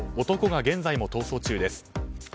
男が現在も逃走中です。